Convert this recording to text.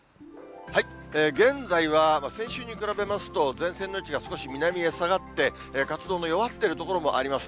現在は先週に比べますと、前線の位置が少し南へ下がって、活動の弱ってる所もあります。